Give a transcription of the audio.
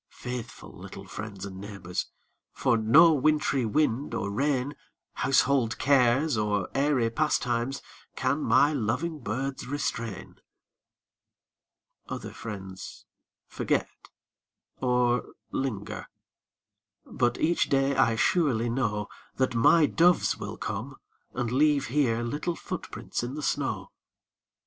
Faithful little friends and neighbors, For no wintry wind or rain, Household cares or airy pastimes, Can my loving birds restrain. Other friends forget, or linger, But each day I surely know That my doves will come and leave here Little footprints in the snow.